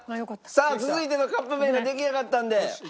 さあ続いてのカップ麺が出来上がったんで。